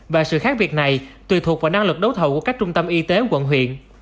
và sự khác biệt này tùy thuộc vào năng lực đấu thầu của các trung tâm y tế quận huyện